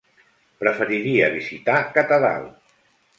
Preferiria visitar Catadau.